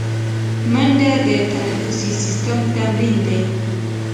منډه د تنفسي سیستم تمرین دی